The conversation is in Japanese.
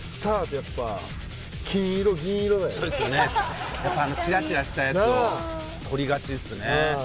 やっぱあのチラチラしたやつを取りがちっすね